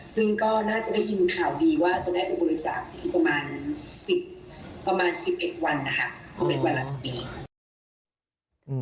ซึ่งก็น่าจะได้ยินข่าวดีว่าจะได้บริจาคประมาณ๑๑วันนะครับ